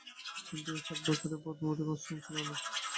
কিন্তু এই সাত বছরের পথ মোটেই মসৃণ ছিল না অদিতির।